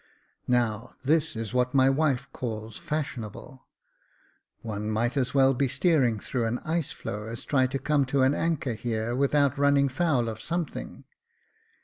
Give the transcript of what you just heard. " Now this is what my wife calls fashionable. One might as well be steering through an ice floe as try to come to an anchor here without running foul of something.